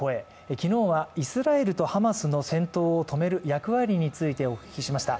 昨日はイスラエルとハマスの戦闘を止める役割についてお聞きしました。